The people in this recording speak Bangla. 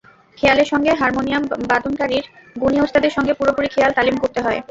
খেয়ালের সঙ্গে হারমোনিয়াম বাদনকারীর গুণী ওস্তাদের সঙ্গে পুরোপুরি খেয়ালে তালিম থাকতে হয়।